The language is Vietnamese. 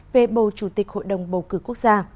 về bầu chủ tịch hội đồng bầu cử quốc gia